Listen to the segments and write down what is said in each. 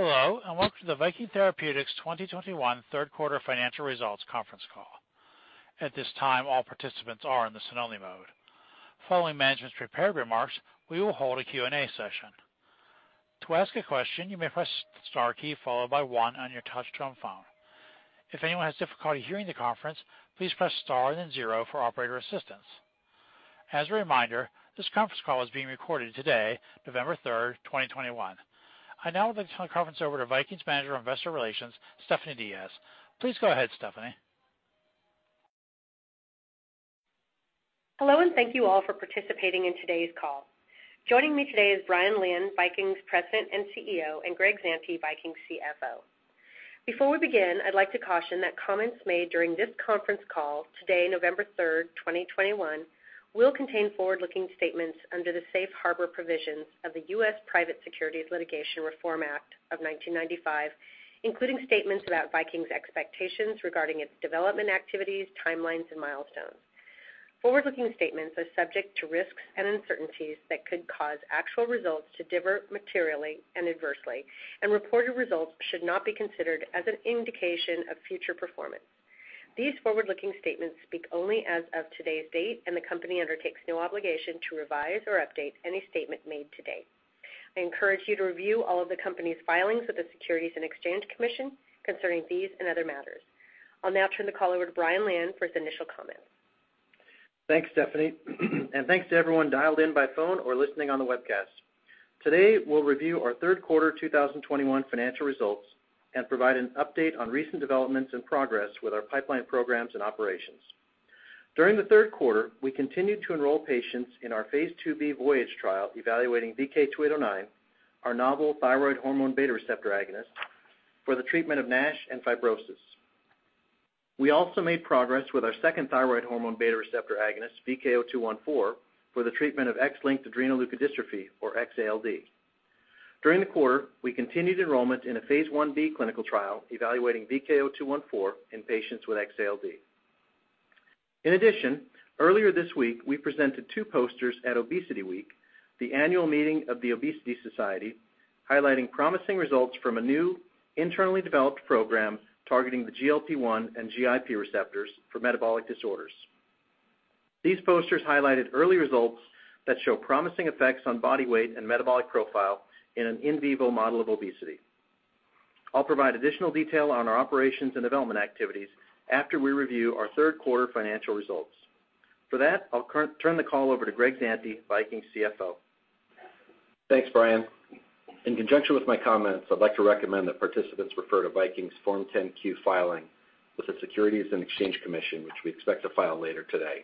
Hello, and welcome to the Viking Therapeutics 2021 third quarter financial results conference call. At this time, all participants are in listen-only mode. Following management's prepared remarks, we will hold a Q&A session. To ask a question, you may press * key followed by 1 on your touchtone phone. If anyone has difficulty hearing the conference, please press star and then zero for operator assistance. As a reminder, this conference call is being recorded today, November 3, 2021. I now would like to turn the conference over to Viking's Manager of Investor Relations, Stephanie Diaz. Please go ahead, Stephanie. Hello, and thank you all for participating in today's call. Joining me today is Brian Lian, Viking's President and CEO, and Greg Zante, Viking's CFO. Before we begin, I'd like to caution that comments made during this conference call today, November 3, 2021, will contain forward-looking statements under the safe harbor provisions of the U.S. Private Securities Litigation Reform Act of 1995, including statements about Viking's expectations regarding its development activities, timelines, and milestones. Forward-looking statements are subject to risks and uncertainties that could cause actual results to differ materially and adversely, and reported results should not be considered as an indication of future performance. These forward-looking statements speak only as of today's date, and the company undertakes no obligation to revise or update any statement made today. I encourage you to review all of the company's filings with the Securities and Exchange Commission concerning these and other matters. I'll now turn the call over to Brian Lian for his initial comments. Thanks, Stephanie, and thanks to everyone dialed in by phone or listening on the webcast. Today, we'll review our third quarter 2021 financial results and provide an update on recent developments and progress with our pipeline programs and operations. During the third quarter, we continued to enroll patients in our phase IIb VOYAGE trial evaluating VK2809, our novel thyroid hormone beta receptor agonist, for the treatment of NASH and fibrosis. We also made progress with our second thyroid hormone beta receptor agonist, VK0214, for the treatment of X-linked adrenoleukodystrophy, or XALD. During the quarter, we continued enrollment in a phase Ib clinical trial evaluating VK0214 in patients with XALD. In addition, earlier this week, we presented 2 posters at ObesityWeek, the annual meeting of The Obesity Society, highlighting promising results from a new internally developed program targeting the GLP-1 and GIP receptors for metabolic disorders. These posters highlighted early results that show promising effects on body weight and metabolic profile in an in vivo model of obesity. I'll provide additional detail on our operations and development activities after we review our third quarter financial results. For that, I'll turn the call over to Greg Zante, Viking's CFO. Thanks, Brian. In conjunction with my comments, I'd like to recommend that participants refer to Viking's Form 10-Q filing with the Securities and Exchange Commission, which we expect to file later today.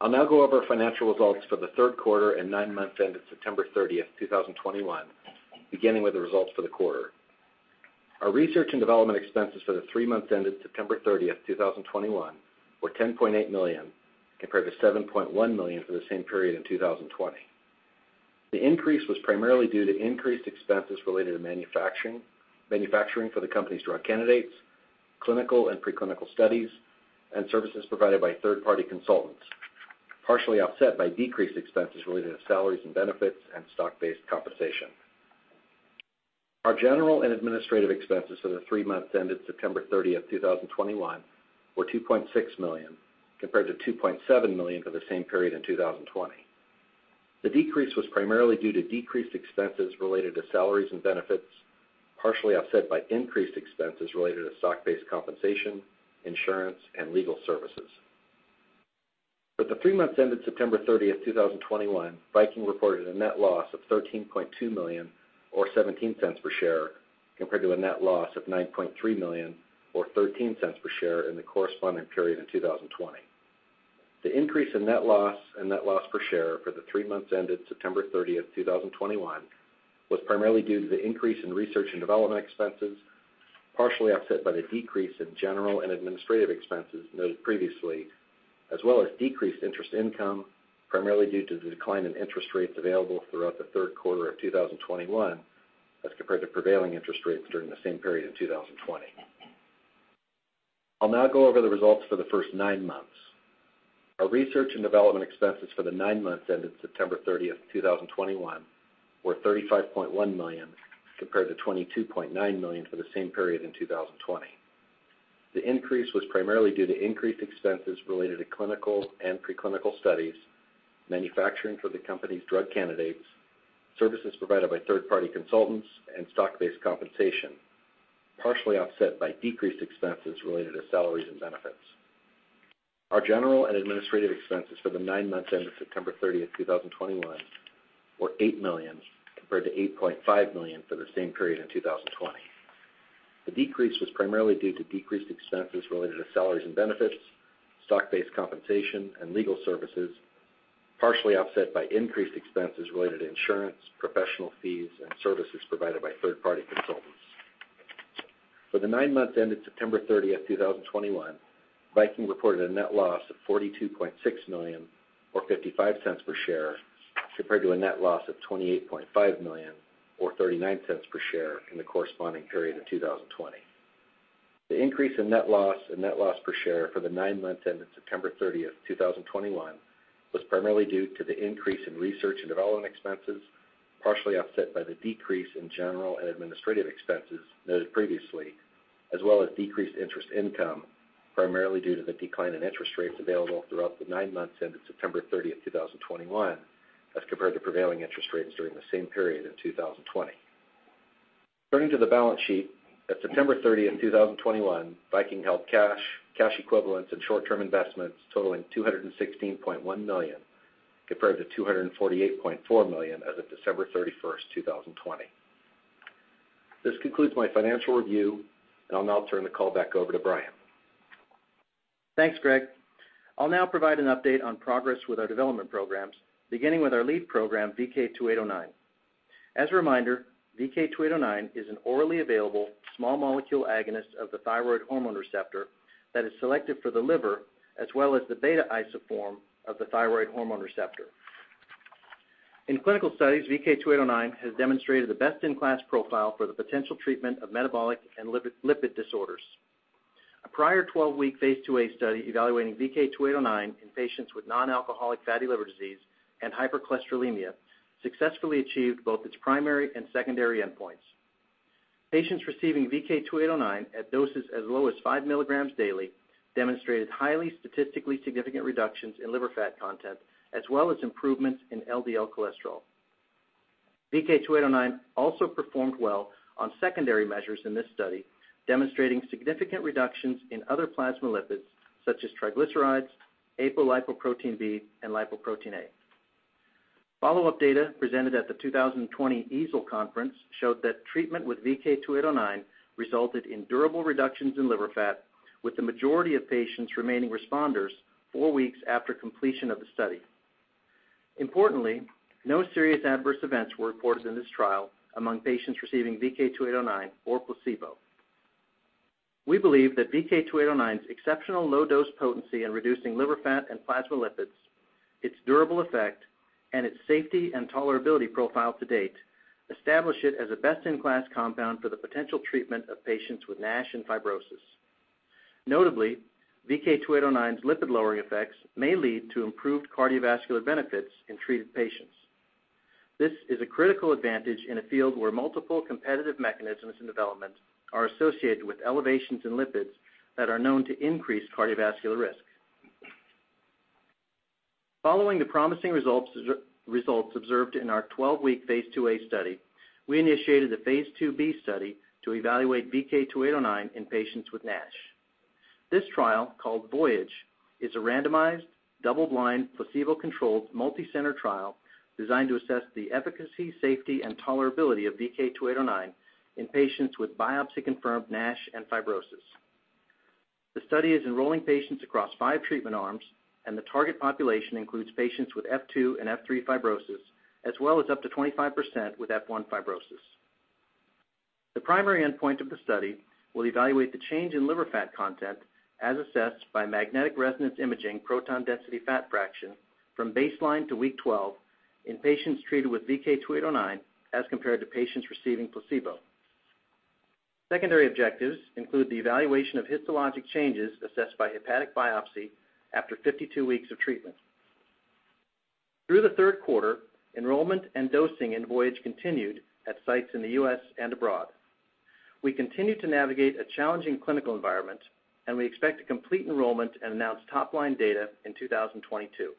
I'll now go over our financial results for the third quarter and nine months ended September 30, 2021, beginning with the results for the quarter. Our research and development expenses for the three months ended September 30, 2021, were 10.8 million, compared to 7.1 million for the same period in 2020. The increase was primarily due to increased expenses related to manufacturing for the company's drug candidates, clinical and preclinical studies, and services provided by third-party consultants, partially offset by decreased expenses related to salaries and benefits and stock-based compensation. Our general and administrative expenses for the three months ended September 30, 2021, were 2.6 million, compared to 2.7 million for the same period in 2020. The decrease was primarily due to decreased expenses related to salaries and benefits, partially offset by increased expenses related to stock-based compensation, insurance, and legal services. For the three months ended September 30, 2021, Viking reported a net loss of 13.2 million, or 0.17 cents per share, compared to a net loss of 9.3 million, or 0.13 cents per share, in the corresponding period in 2020. The increase in net loss and net loss per share for the three months ended September 30, 2021, was primarily due to the increase in research and development expenses, partially offset by the decrease in general and administrative expenses noted previously, as well as decreased interest income, primarily due to the decline in interest rates available throughout the third quarter of 2021 as compared to prevailing interest rates during the same period in 2020. I'll now go over the results for the first nine months. Our research and development expenses for the nine months ended September 30, 2021, were 35.1 million, compared to 22.9 million for the same period in 2020. The increase was primarily due to increased expenses related to clinical and preclinical studies, manufacturing for the company's drug candidates, services provided by third-party consultants, and stock-based compensation, partially offset by decreased expenses related to salaries and benefits. Our general and administrative expenses for the nine months ended September 30, 2021, were 8 million, compared to 8.5 million for the same period in 2020. The decrease was primarily due to decreased expenses related to salaries and benefits, stock-based compensation, and legal services, partially offset by increased expenses related to insurance, professional fees, and services provided by third-party consultants. For the nine months ended September 30, 2021, Viking reported a net loss of 42.6 million, or 0.55 cents per share, compared to a net loss of 28.5 million or 0.39 cents per share in the corresponding period of 2020. The increase in net loss and net loss per share for the nine months ended September 30, 2021, was primarily due to the increase in research and development expenses, partially offset by the decrease in general and administrative expenses noted previously, as well as decreased interest income, primarily due to the decline in interest rates available throughout the nine months ended September 30, 2021, as compared to prevailing interest rates during the same period in 2020. Turning to the balance sheet, at September 30, 2021, Viking held cash equivalents and short-term investments totaling 216.1 million, compared to 248.4 million as of December 31, 2020. This concludes my financial review, and I'll now turn the call back over to Brian. Thanks, Greg. I'll now provide an update on progress with our development programs, beginning with our lead program, VK2809. As a reminder, VK2809 is an orally available small molecule agonist of the thyroid hormone receptor that is selected for the liver as well as the beta isoform of the thyroid hormone receptor. In clinical studies, VK2809 has demonstrated the best-in-class profile for the potential treatment of metabolic and lipid disorders. A prior 12-week phase IIa study evaluating VK2809 in patients with non-alcoholic fatty liver disease and hypercholesterolemia successfully achieved both its primary and secondary endpoints. Patients receiving VK2809 at doses as low as 5 milligrams daily demonstrated highly statistically significant reductions in liver fat content, as well as improvements in LDL cholesterol. VK2809 also performed well on secondary measures in this study, demonstrating significant reductions in other plasma lipids such as triglycerides, apolipoprotein B, and lipoprotein(a). Follow-up data presented at the 2020 EASL conference showed that treatment with VK2809 resulted in durable reductions in liver fat with the majority of patients remaining responders four weeks after completion of the study. Importantly, no serious adverse events were reported in this trial among patients receiving VK2809 or placebo. We believe that VK2809's exceptional low dose potency in reducing liver fat and plasma lipids, its durable effect, and its safety and tolerability profile to date establish it as a best-in-class compound for the potential treatment of patients with NASH and fibrosis. Notably, VK2809's lipid-lowering effects may lead to improved cardiovascular benefits in treated patients. This is a critical advantage in a field where multiple competitive mechanisms in development are associated with elevations in lipids that are known to increase cardiovascular risk. Following the promising results observed in our 12-week phase IIa study, we initiated a phase IIb study to evaluate VK2809 in patients with NASH. This trial, called VOYAGE, is a randomized, double-blind, placebo-controlled, multi-center trial designed to assess the efficacy, safety, and tolerability of VK2809 in patients with biopsy-confirmed NASH and fibrosis. The study is enrolling patients across 5 treatment arms, and the target population includes patients with F2 and F3 fibrosis, as well as up to 25% with F1 fibrosis. The primary endpoint of the study will evaluate the change in liver fat content as assessed by magnetic resonance imaging proton density fat fraction from baseline to week 12 in patients treated with VK2809 as compared to patients receiving placebo. Secondary objectives include the evaluation of histologic changes assessed by hepatic biopsy after 52 weeks of treatment. Through the third quarter, enrollment and dosing in VOYAGE continued at sites in the U.S. and abroad. We continue to navigate a challenging clinical environment, and we expect to complete enrollment and announce top-line data in 2022.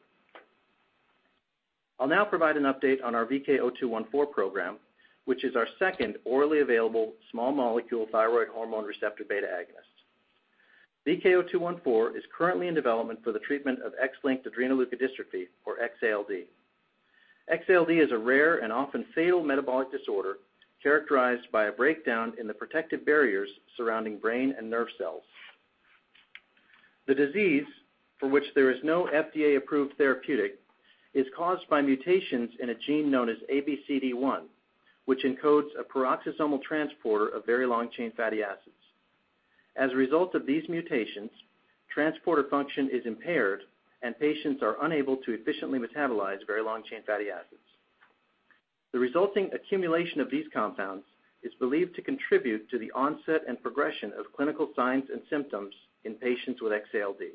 I'll now provide an update on our VK0214 program, which is our second orally available small molecule thyroid hormone receptor beta agonist. VK0214 is currently in development for the treatment of X-linked adrenoleukodystrophy, or XALD. XALD is a rare and often fatal metabolic disorder characterized by a breakdown in the protective barriers surrounding brain and nerve cells. The disease, for which there is no FDA-approved therapeutic, is caused by mutations in a gene known as ABCD1, which encodes a peroxisomal transporter of very long-chain fatty acids. As a result of these mutations, transporter function is impaired and patients are unable to efficiently metabolize very long-chain fatty acids. The resulting accumulation of these compounds is believed to contribute to the onset and progression of clinical signs and symptoms in patients with XALD.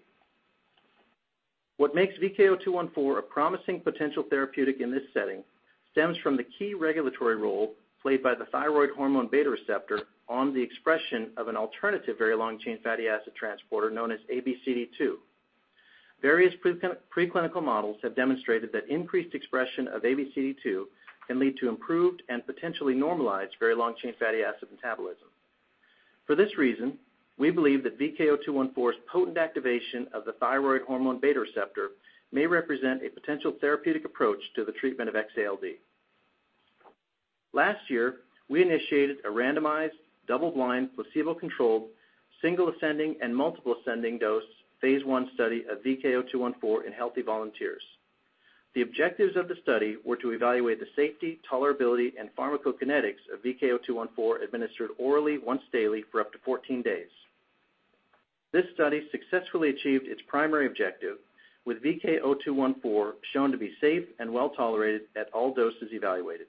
What makes VK0214 a promising potential therapeutic in this setting stems from the key regulatory role played by the thyroid hormone beta receptor on the expression of an alternative very long-chain fatty acid transporter known as ABCD2. Various preclinical models have demonstrated that increased expression of ABCD2 can lead to improved and potentially normalized very long-chain fatty acid metabolism. For this reason, we believe that VK0214's potent activation of the thyroid hormone beta receptor may represent a potential therapeutic approach to the treatment of XALD. Last year, we initiated a randomized, double-blind, placebo-controlled, single ascending and multiple ascending dose phase I study of VK0214 in healthy volunteers. The objectives of the study were to evaluate the safety, tolerability, and pharmacokinetics of VK0214 administered orally once daily for up to 14 days. This study successfully achieved its primary objective, with VK0214 shown to be safe and well-tolerated at all doses evaluated.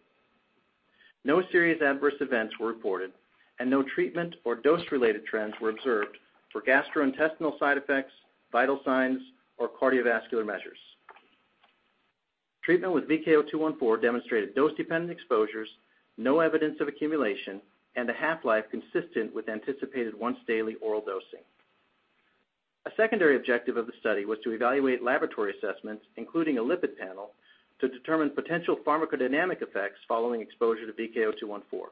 No serious adverse events were reported, and no treatment or dose-related trends were observed for gastrointestinal side effects, vital signs, or cardiovascular measures. Treatment with VK0214 demonstrated dose-dependent exposures, no evidence of accumulation, and a half-life consistent with anticipated once-daily oral dosing. A secondary objective of the study was to evaluate laboratory assessments, including a lipid panel, to determine potential pharmacodynamic effects following exposure to VK0214.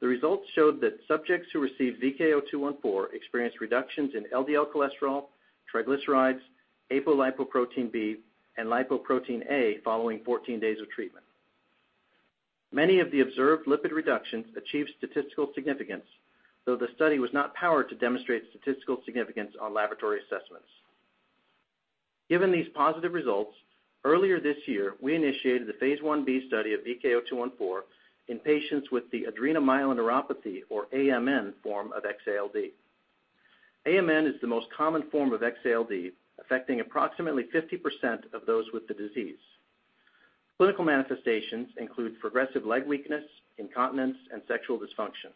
The results showed that subjects who received VK0214 experienced reductions in LDL cholesterol, triglycerides, apolipoprotein B, and lipoprotein(a) following 14 days of treatment. Many of the observed lipid reductions achieved statistical significance, though the study was not powered to demonstrate statistical significance on laboratory assessments. Given these positive results, earlier this year, we initiated the phase Ib study of VK0214 in patients with the adrenomyeloneuropathy, or AMN, form of XALD. AMN is the most common form of XALD, affecting approximately 50% of those with the disease. Clinical manifestations include progressive leg weakness, incontinence, and sexual dysfunction.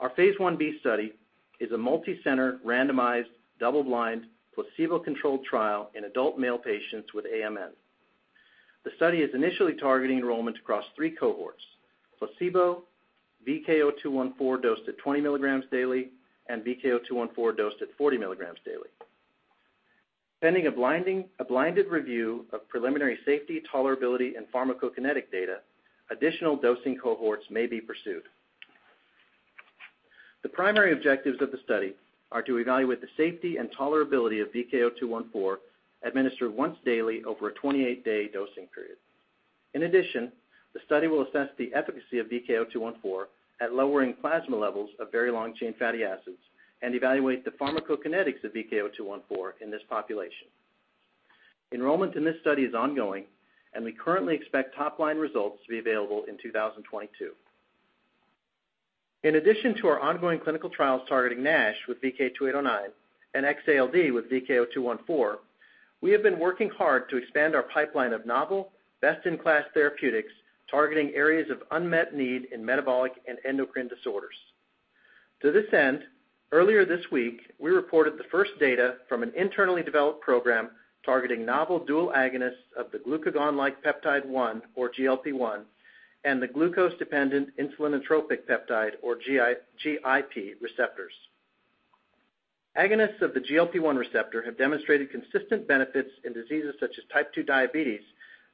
Our phase Ib study is a multicenter, randomized, double-blind, placebo-controlled trial in adult male patients with AMN. The study is initially targeting enrollment across three cohorts: placebo, VK0214 dosed at 20 mg daily, and VK0214 dosed at 40 mg daily. Pending a blinded review of preliminary safety, tolerability, and pharmacokinetic data, additional dosing cohorts may be pursued. The primary objectives of the study are to evaluate the safety and tolerability of VK0214 administered once daily over a 28-day dosing period. In addition, the study will assess the efficacy of VK0214 at lowering plasma levels of very long-chain fatty acids and evaluate the pharmacokinetics of VK0214 in this population. Enrollment in this study is ongoing, and we currently expect top-line results to be available in 2022. In addition to our ongoing clinical trials targeting NASH with VK2809 and XALD with VK0214, we have been working hard to expand our pipeline of novel, best-in-class therapeutics targeting areas of unmet need in metabolic and endocrine disorders. To this end, earlier this week, we reported the first data from an internally developed program targeting novel dual agonists of the glucagon-like peptide-1, or GLP-1, and the glucose-dependent insulinotropic peptide, or GIP, receptors. Agonists of the GLP-1 receptor have demonstrated consistent benefits in diseases such as type 2 diabetes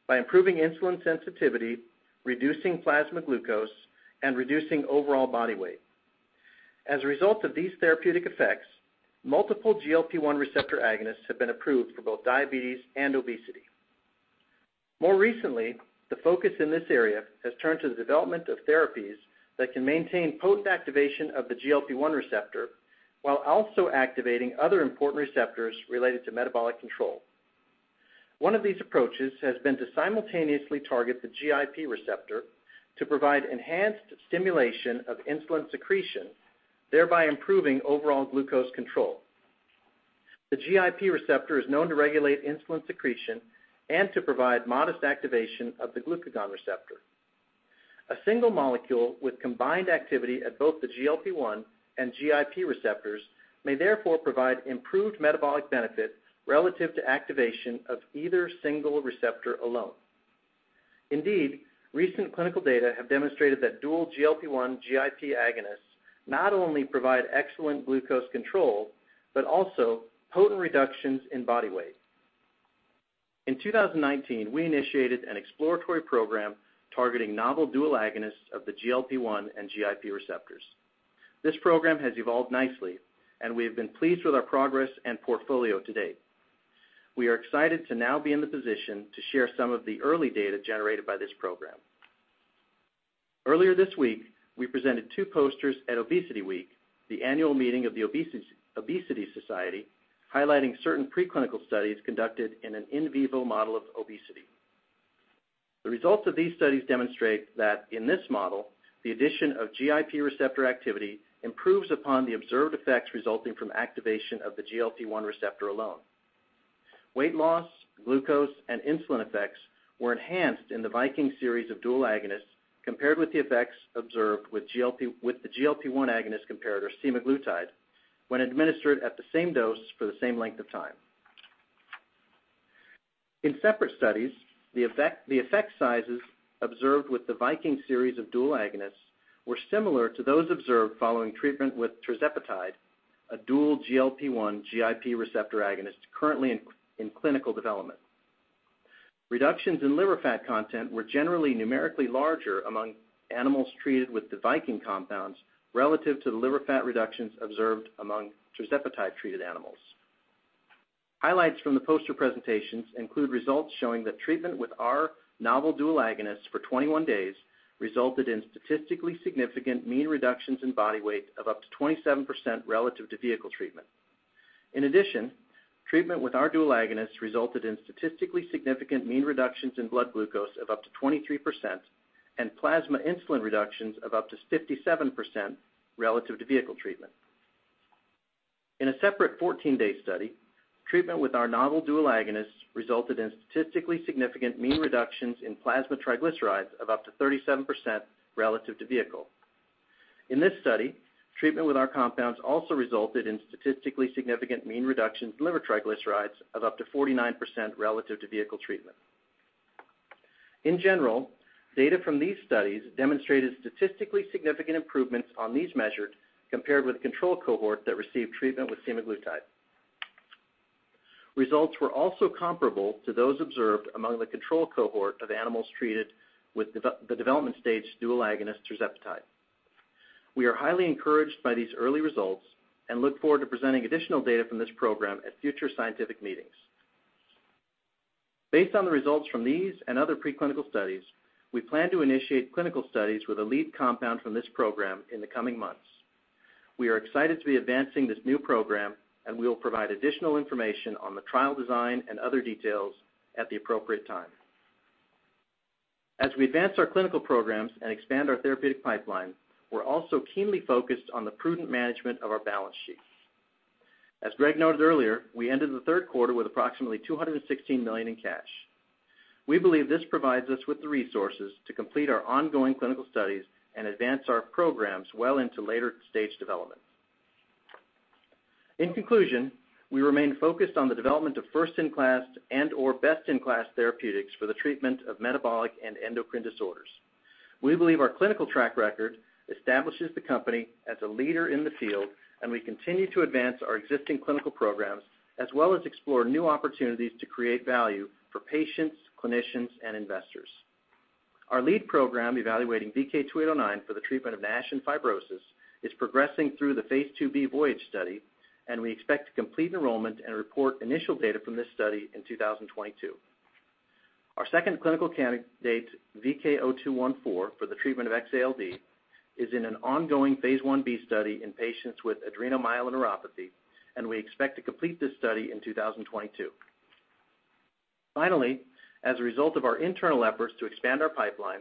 by improving insulin sensitivity, reducing plasma glucose, and reducing overall body weight. As a result of these therapeutic effects, multiple GLP-1 receptor agonists have been approved for both diabetes and obesity. More recently, the focus in this area has turned to the development of therapies that can maintain potent activation of the GLP-1 receptor while also activating other important receptors related to metabolic control. One of these approaches has been to simultaneously target the GIP receptor to provide enhanced stimulation of insulin secretion, thereby improving overall glucose control. The GIP receptor is known to regulate insulin secretion and to provide modest activation of the glucagon receptor. A single molecule with combined activity at both the GLP-1 and GIP receptors may therefore provide improved metabolic benefit relative to activation of either single receptor alone. Indeed, recent clinical data have demonstrated that dual GLP-1/GIP agonists not only provide excellent glucose control, but also potent reductions in body weight. In 2019, we initiated an exploratory program targeting novel dual agonists of the GLP-1 and GIP receptors. This program has evolved nicely, and we have been pleased with our progress and portfolio to date. We are excited to now be in the position to share some of the early data generated by this program. Earlier this week, we presented two posters at Obesity Week, the annual meeting of the Obesity Society, highlighting certain preclinical studies conducted in an in vivo model of obesity. The results of these studies demonstrate that in this model, the addition of GIP receptor activity improves upon the observed effects resulting from activation of the GLP-1 receptor alone. Weight loss, glucose, and insulin effects were enhanced in the Viking series of dual agonists compared with the effects observed with the GLP-1 agonist comparator semaglutide when administered at the same dose for the same length of time. In separate studies, the effect sizes observed with the Viking series of dual agonists were similar to those observed following treatment with tirzepatide, a dual GLP-1/GIP receptor agonist currently in clinical development. Reductions in liver fat content were generally numerically larger among animals treated with the Viking compounds relative to the liver fat reductions observed among tirzepatide-treated animals. Highlights from the poster presentations include results showing that treatment with our novel dual agonists for 21 days resulted in statistically significant mean reductions in body weight of up to 27% relative to vehicle treatment. In addition, treatment with our dual agonists resulted in statistically significant mean reductions in blood glucose of up to 23% and plasma insulin reductions of up to 57% relative to vehicle treatment. In a separate 14-day study, treatment with our novel dual agonist resulted in statistically significant mean reductions in plasma triglycerides of up to 37% relative to vehicle. In this study, treatment with our compounds also resulted in statistically significant mean reductions in liver triglycerides of up to 49% relative to vehicle treatment. In general, data from these studies demonstrated statistically significant improvements on these measures compared with the control cohort that received treatment with semaglutide. Results were also comparable to those observed among the control cohort of animals treated with the development stage dual agonist tirzepatide. We are highly encouraged by these early results and look forward to presenting additional data from this program at future scientific meetings. Based on the results from these and other preclinical studies, we plan to initiate clinical studies with a lead compound from this program in the coming months. We are excited to be advancing this new program, and we will provide additional information on the trial design and other details at the appropriate time. As we advance our clinical programs and expand our therapeutic pipeline, we're also keenly focused on the prudent management of our balance sheet. As Greg noted earlier, we ended the third quarter with approximately $216 million in cash. We believe this provides us with the resources to complete our ongoing clinical studies and advance our programs well into later-stage development. In conclusion, we remain focused on the development of first-in-class and/or best-in-class therapeutics for the treatment of metabolic and endocrine disorders. We believe our clinical track record establishes the company as a leader in the field, and we continue to advance our existing clinical programs, as well as explore new opportunities to create value for patients, clinicians, and investors. Our lead program evaluating VK2809 for the treatment of NASH and fibrosis is progressing through the phase IIb VOYAGE study, and we expect to complete enrollment and report initial data from this study in 2022. Our second clinical candidate, VK0214, for the treatment of XALD, is in an ongoing phase Ib study in patients with adrenomyeloneuropathy, and we expect to complete this study in 2022. Finally, as a result of our internal efforts to expand our pipeline,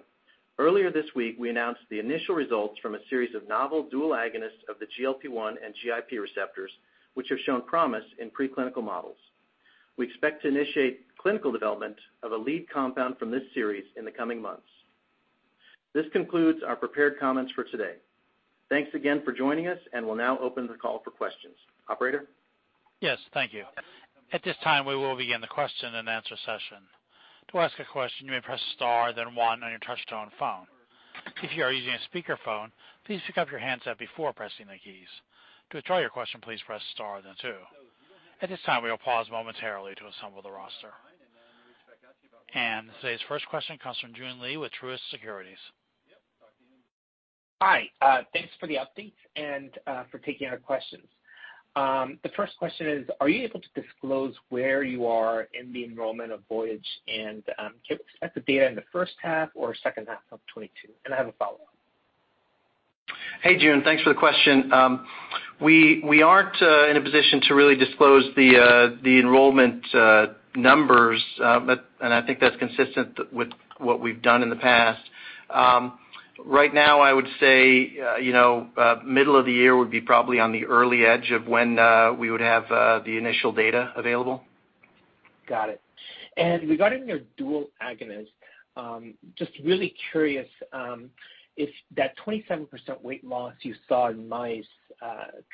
earlier this week, we announced the initial results from a series of novel dual agonists of the GLP-1 and GIP receptors, which have shown promise in preclinical models. We expect to initiate clinical development of a lead compound from this series in the coming months. This concludes our prepared comments for today. Thanks again for joining us, and we'll now open the call for questions. Operator? Yes, thank you. At this time, we will begin the question-and-answer session. To ask a question, you may press * then 1 on your touch-tone phone. If you are using a speakerphone, please pick up your handset before pressing the keys. To withdraw your question, please press star then two. At this time, we will pause momentarily to assemble the roster. Today's first question comes from Joon Lee with Truist Securities. Hi, thanks for the updates and for taking our questions. The first question is, are you able to disclose where you are in the enrollment of VOYAGE? Can you expect the data in the first half or second half of 2022? I have a follow-up. Hey, Joon. Thanks for the question. We aren't in a position to really disclose the enrollment numbers, but I think that's consistent with what we've done in the past. Right now, I would say, you know, middle of the year would be probably on the early edge of when we would have the initial data available. Got it. Regarding your dual agonist, just really curious if that 27% weight loss you saw in mice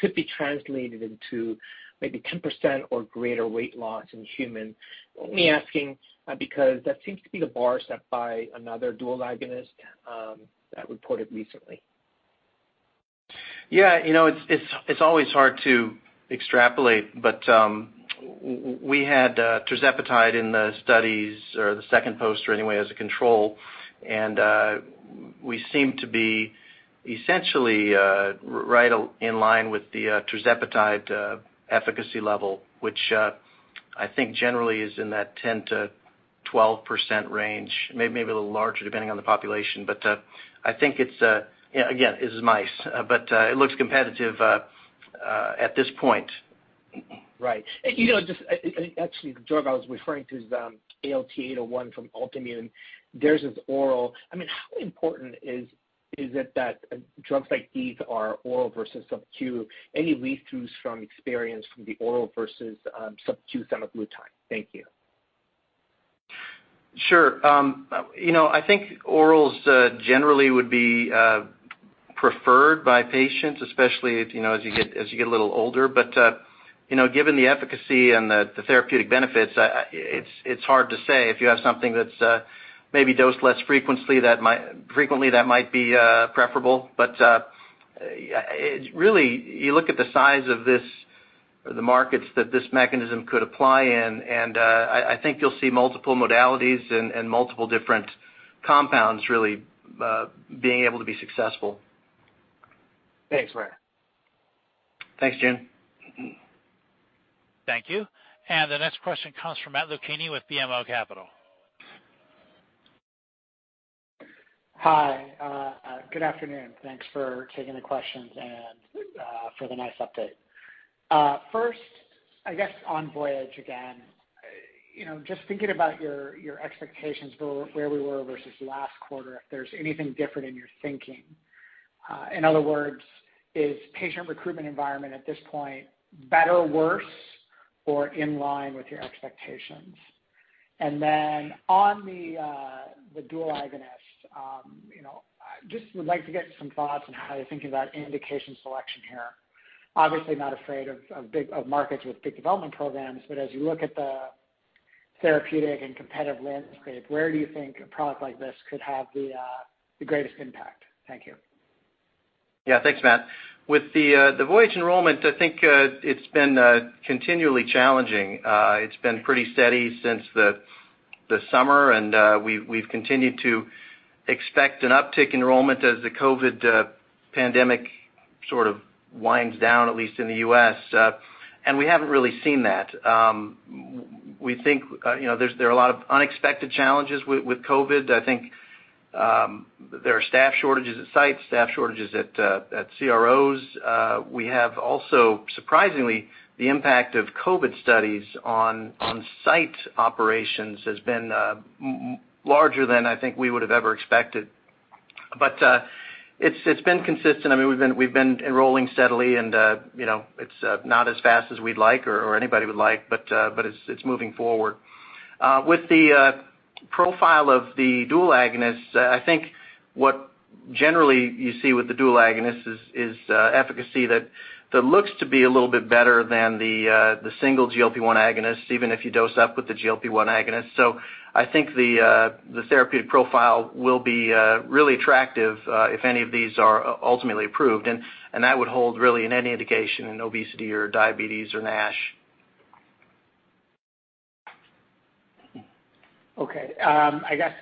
could be translated into maybe 10% or greater weight loss in humans. Only asking because that seems to be the bar set by another dual agonist that reported recently. You know, it's always hard to extrapolate, but we had tirzepatide in the studies or the second poster anyway, as a control. We seem to be essentially right in line with the tirzepatide efficacy level, which I think generally is in that 10%-12% range, maybe a little larger, depending on the population. I think it's you know, again, this is mice, but it looks competitive at this point. Right. You know, just actually, the drug I was referring to is ALT-801 from Altimmune. Theirs is oral. I mean, how important is it that drugs like these are oral versus sub-Q? Any read-throughs from experience from the oral versus sub-Q semaglutide? Thank you. Sure. You know, I think orals generally would be preferred by patients, especially if you know as you get a little older. You know, given the efficacy and the therapeutic benefits, it's hard to say. If you have something that's maybe dosed less frequently, that might be preferable. Really, you look at the size of this, the markets that this mechanism could apply in, and I think you'll see multiple modalities and multiple different compounds really being able to be successful. Thanks, Brian. Thanks, Joon. Thank you. The next question comes from Matt Luchini with BMO Capital. Hi. Good afternoon. Thanks for taking the questions and for the nice update. First, I guess on VOYAGE again. You know, just thinking about your expectations for where we were versus last quarter, if there's anything different in your thinking. In other words, is patient recruitment environment at this point better, worse, or in line with your expectations? And then on the dual agonist, you know, I just would like to get some thoughts on how you're thinking about indication selection here. Obviously, not afraid of big markets with big development programs, but as you look at the therapeutic and competitive landscape, where do you think a product like this could have the greatest impact? Thank you. Thanks, Matt. With the VOYAGE enrollment, I think it's been continually challenging. It's been pretty steady since the summer, and we've continued to expect an uptick in enrollment as the COVID pandemic sort of winds down, at least in the U.S., and we haven't really seen that. We think, you know, there are a lot of unexpected challenges with COVID. I think there are staff shortages at sites, staff shortages at CROs. We have also, surprisingly, the impact of COVID studies on site operations has been larger than I think we would have ever expected. It's been consistent. I mean, we've been enrolling steadily and, you know, it's not as fast as we'd like or anybody would like, but it's moving forward. With the profile of the dual agonist, I think what generally you see with the dual agonist is efficacy that looks to be a little bit better than the single GLP-1 agonist, even if you dose up with the GLP-1 agonist. I think the therapeutic profile will be really attractive, if any of these are ultimately approved. That would hold really in any indication in obesity or diabetes or NASH. I guess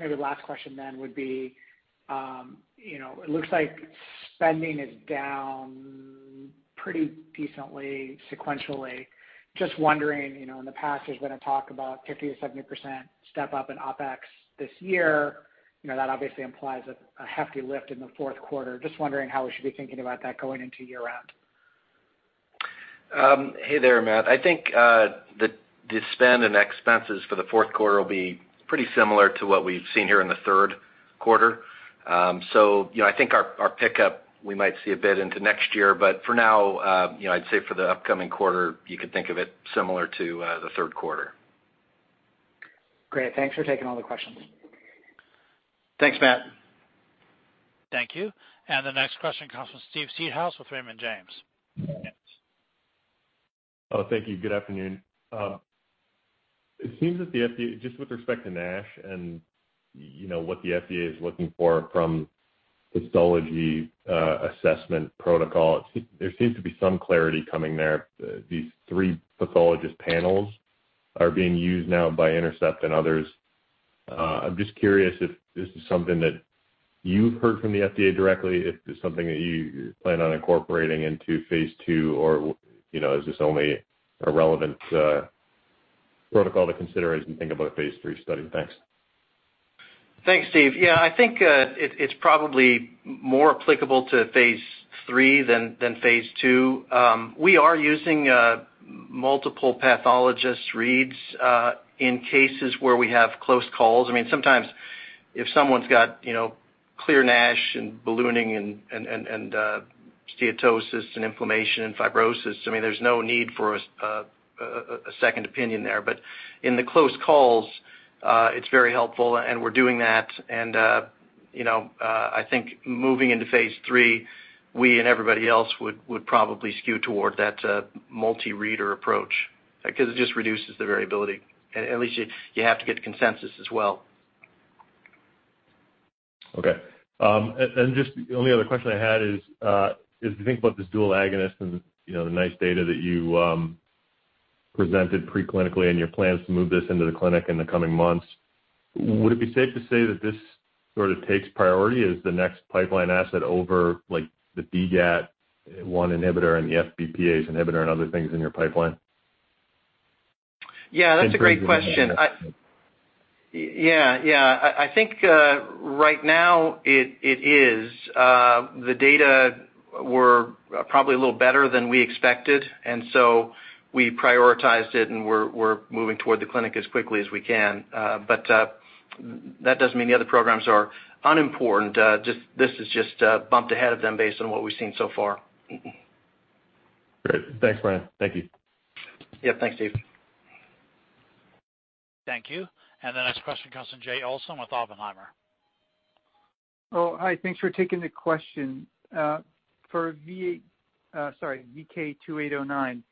maybe the last question then would be, you know, it looks like spending is down pretty decently sequentially. Just wondering, you know, in the past, there's been a talk about 50-70% step up in OpEx this year. You know, that obviously implies a hefty lift in the fourth quarter. Just wondering how we should be thinking about that going into year-end. Hey there, Matt. I think the spend and expenses for the fourth quarter will be pretty similar to what we've seen here in the third quarter. You know, I think our pickup we might see a bit into next year, but for now, you know, I'd say for the upcoming quarter, you could think of it similar to the third quarter. Great. Thanks for taking all the questions. Thanks, Matt. Thank you. The next question comes from Steve Seedhouse with Raymond James. Thank you. Good afternoon. It seems that the FDA, just with respect to NASH and, you know, what the FDA is looking for from histology assessment protocol, there seems to be some clarity coming there. These three pathologist panels are being used now by Intercept and others. I'm just curious if this is something that you've heard from the FDA directly, if it's something that you plan on incorporating into phase II, or, you know, is this only a relevant protocol to consider as you think about a phase III study? Thanks. Thanks, Steve, I think it's probably more applicable to phase III than phase II. We are using multiple pathologist reads in cases where we have close calls. I mean, sometimes if someone's got you know clear NASH and ballooning and steatosis and inflammation and fibrosis, I mean, there's no need for a second opinion there. In the close calls, it's very helpful, and we're doing that. You know, I think moving into phase III, we and everybody else would probably skew toward that multi-reader approach 'cause it just reduces the variability. At least you have to get consensus as well. Okay. And just the only other question I had is if you think about this dual agonist and, you know, the nice data that you presented pre-clinically and your plans to move this into the clinic in the coming months, would it be safe to say that this sort of takes priority as the next pipeline asset over, like, the DGAT1 inhibitor and the FBPase inhibitor and other things in your pipeline? That's a great question. In terms of I think right now it is. The data were probably a little better than we expected, and so we prioritized it, and we're moving toward the clinic as quickly as we can. That doesn't mean the other programs are unimportant. This is just bumped ahead of them based on what we've seen so far. Great. Thanks, Brian. Thank you. Thanks, Steve. Thank you. The next question comes from Jay Olson with Oppenheimer. Thanks for taking the question. For VK2809,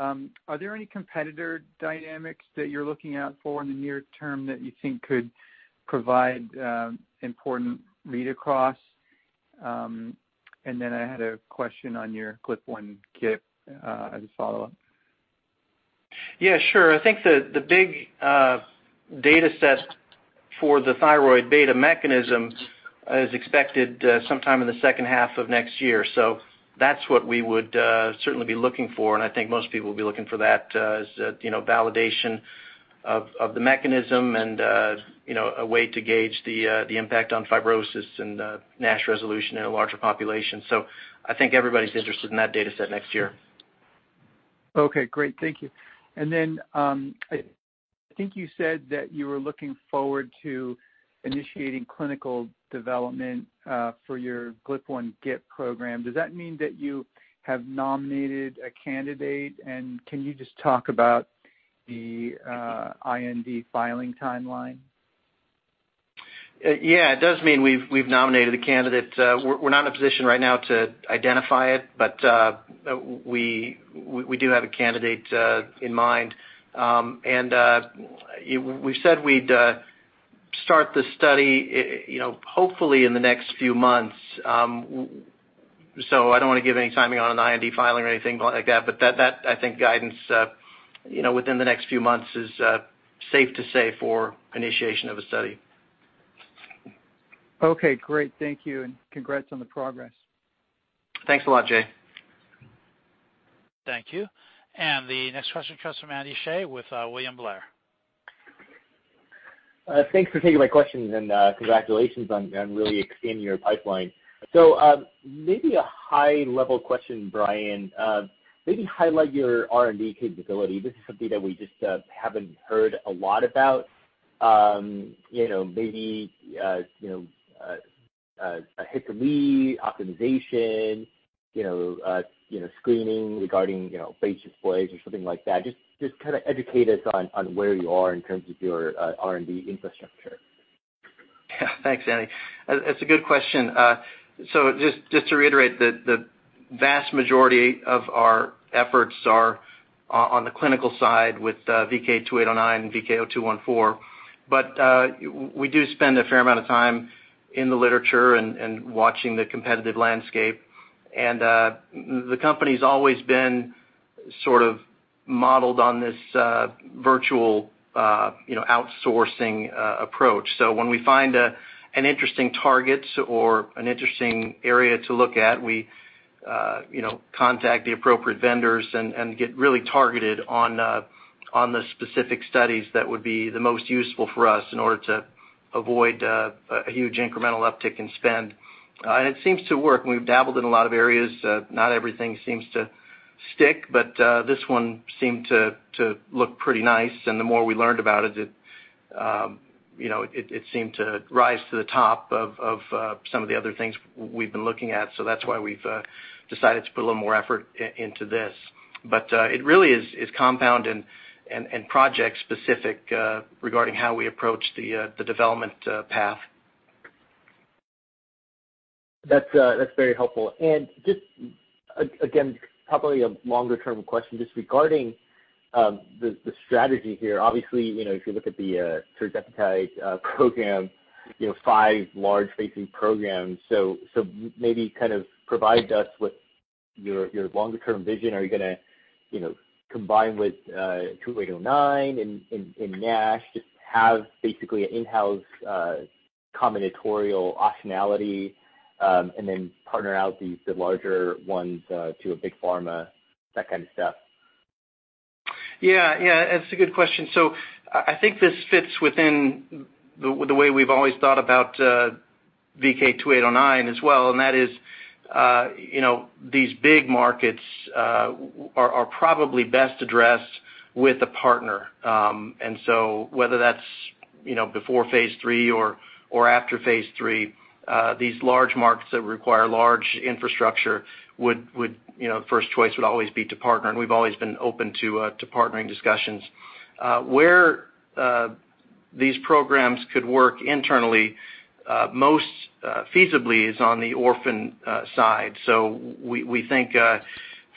are there any competitor dynamics that you're looking out for in the near term that you think could provide important read across? And then I had a question on your GLP-1/GIP as a follow-up. Sure. I think the big data set for the thyroid beta mechanism is expected sometime in the second half of next year. That's what we would certainly be looking for, and I think most people will be looking for that as you know, validation of the mechanism and you know, a way to gauge the impact on fibrosis and NASH resolution in a larger population. I think everybody's interested in that data set next year. Okay, great. Thank you. I think you said that you were looking forward to initiating clinical development for your GLP-1 GIP program. Does that mean that you have nominated a candidate? Can you just talk about the IND filing timeline? It does mean we've nominated a candidate. We're not in a position right now to identify it, but we do have a candidate in mind. We said we'd start the study, you know, hopefully in the next few months. I don't wanna give any timing on an IND filing or anything like that, but that, I think, guidance, you know, within the next few months is safe to say for initiation of a study. Okay, great. Thank you, and congrats on the progress. Thanks a lot, Jay. Thank you. The next question comes from Andy Hsieh with William Blair. Thanks for taking my questions and congratulations on really expanding your pipeline. Maybe a high-level question, Brian. Maybe highlight your R&D capability. This is something that we just haven't heard a lot about. You know, maybe you know hit-to-lead optimization, you know screening regarding, you know, phage displays or something like that. Just kind of educate us on where you are in terms of your R&D infrastructure. Thanks, Andy. That's a good question. Just to reiterate, the vast majority of our efforts are on the clinical side with VK2809 and VK0214. We do spend a fair amount of time in the literature and watching the competitive landscape. The company's always been sort of modeled on this virtual, you know, outsourcing approach. When we find an interesting targets or an interesting area to look at, we, you know, contact the appropriate vendors and get really targeted on the specific studies that would be the most useful for us in order to avoid a huge incremental uptick in spend. It seems to work. We've dabbled in a lot of areas. Not everything seems to stick, this one seemed to look pretty nice. The more we learned about it, you know, it seemed to rise to the top of some of the other things we've been looking at. That's why we've decided to put a little more effort into this. It really is compound and project specific regarding how we approach the development path. That's very helpful. Just again, probably a longer term question just regarding the strategy here. Obviously, you know, if you look at the tirzepatide program, you know, five large phase III programs. Maybe kind of provide us with your longer term vision. Are you gonna, you know, combine with 2809 in NASH, just have basically in-house combinatorial optionality, and then partner out the larger ones to a big pharma, that kind of stuff? That's a good question. I think this fits within the way we've always thought about VK2809 as well, and that is, you know, these big markets are probably best addressed with a partner. Whether that's, you know, before phase III or after phase III, these large markets that require large infrastructure would, you know, first choice would always be to partner, and we've always been open to partnering discussions. Where these programs could work internally most feasibly is on the orphan side. We think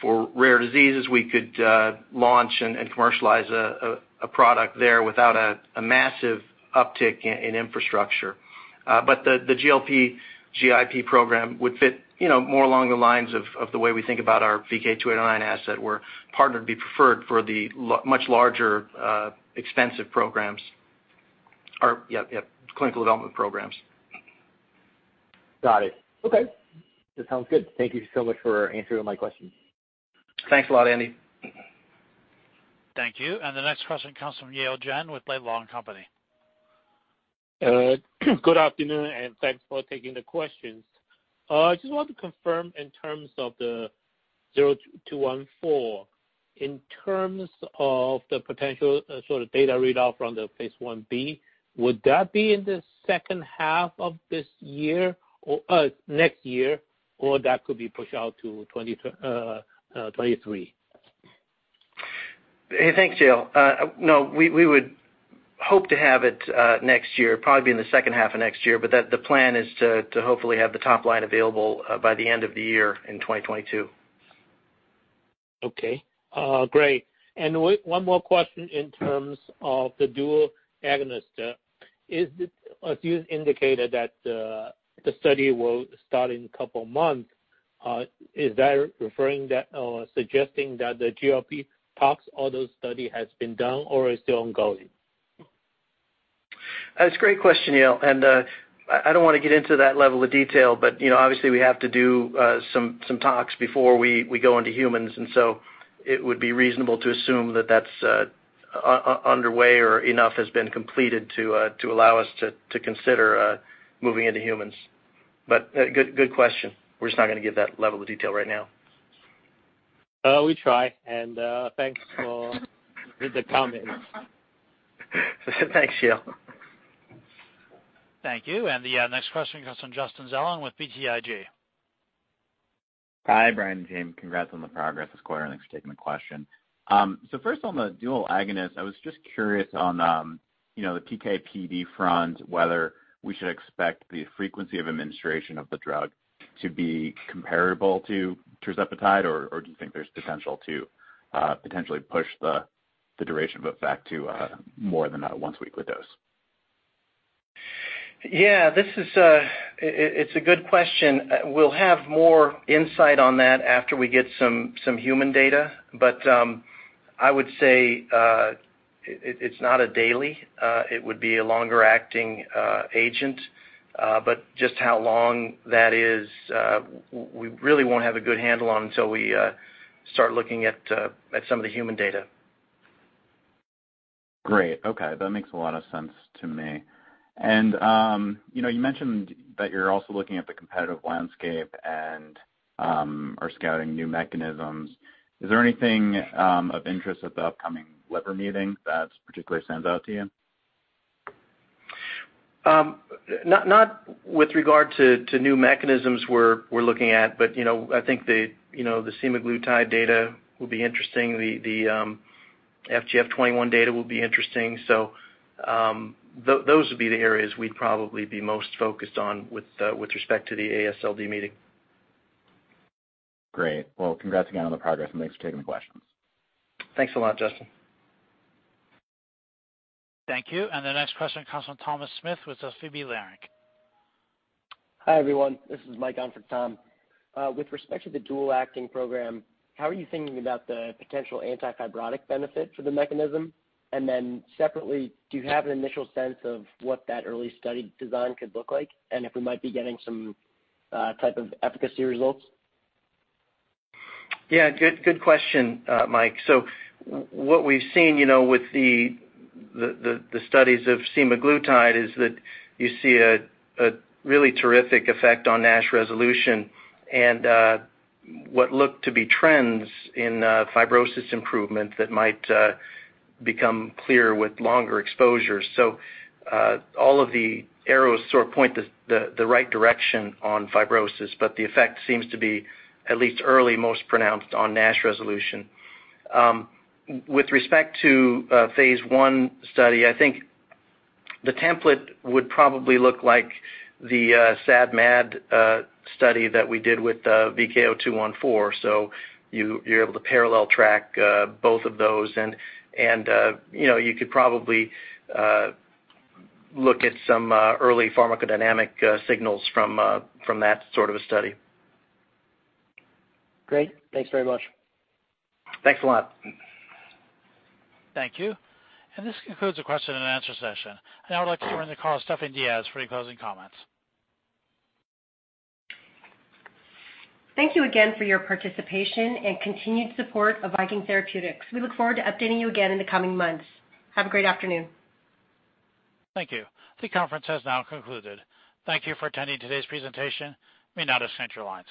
for rare diseases, we could launch and commercialize a product there without a massive uptick in infrastructure. But the GLP GIP program would fit, you know, more along the lines of the way we think about our VK2809 asset, where partner would be preferred for the much larger, expensive programs or,, clinical development programs. Got it. Okay. That sounds good. Thank you so much for answering my questions. Thanks a lot, Andy. Thank you. The next question comes from Yigal Nochomovitz with Citigroup. Good afternoon, and thanks for taking the questions. I just want to confirm in terms of the VK0214, in terms of the potential sort of data readout from the phase Ib, would that be in the second half of this year or next year, or that could be pushed out to 2023? Thanks, Yigal. No, we would hope to have it next year, probably in the second half of next year. The plan is to hopefully have the top line available by the end of the year in 2022. Okay. Great. One more question in terms of the dual agonist. Is it, as you indicated that, the study will start in a couple of months, is that referring that or suggesting that the GLP tox all the study has been done or is still ongoing? That's a great question, Yale. I don't wanna get into that level of detail, but you know, obviously, we have to do some talks before we go into humans. It would be reasonable to assume that that's underway or enough has been completed to allow us to consider moving into humans. Good question. We're just not gonna give that level of detail right now. We try, and thanks for the comment. Thanks, Yale. Thank you. The next question comes from Justin Zelin with BTIG. Hi, Brian and team. Congrats on the progress this quarter, and thanks for taking the question. First on the dual agonist, I was just curious on, you know, the PK/PD front, whether we should expect the frequency of administration of the drug to be comparable to tirzepatide, or do you think there's potential to potentially push the duration of it back to more than a once-weekly dose?, this is a good question. We'll have more insight on that after we get some human data. I would say, it's not a daily. It would be a longer acting agent. Just how long that is, we really won't have a good handle on until we start looking at some of the human data. Great. Okay. That makes a lot of sense to me. You know, you mentioned that you're also looking at the competitive landscape and are scouting new mechanisms. Is there anything of interest at the upcoming Liver Meeting that particularly stands out to you? Not with regard to new mechanisms we're looking at, but you know, I think you know, the semaglutide data will be interesting. The FGF21 data will be interesting. Those would be the areas we'd probably be most focused on with respect to the AASLD meeting. Great. Well, congrats again on the progress, and thanks for taking the questions. Thanks a lot, Justin. Thank you. The next question comes from Thomas Smith with SVB Leerink. Hi, everyone. This is Mike on for Tom. With respect to the dual-acting program, how are you thinking about the potential anti-fibrotic benefit for the mechanism? Separately, do you have an initial sense of what that early study design could look like, and if we might be getting some type of efficacy results?, good question, Mike. What we've seen, you know, with the studies of semaglutide is that you see a really terrific effect on NASH resolution and what look to be trends in fibrosis improvement that might become clear with longer exposure. All of the arrows sort of point the right direction on fibrosis, but the effect seems to be at least early most pronounced on NASH resolution. With respect to phase I study, I think the template would probably look like the SAD/MAD study that we did with VK0214, so you're able to parallel track both of those. You know, you could probably look at some early pharmacodynamic signals from that sort of a study. Great. Thanks very much. Thanks a lot. Thank you. This concludes the question and answer session. Now I would like to turn the call to Stephanie Diaz for any closing comments. Thank you again for your participation and continued support of Viking Therapeutics. We look forward to updating you again in the coming months. Have a great afternoon. Thank you. The conference has now concluded. Thank you for attending today's presentation. You may now disconnect your lines.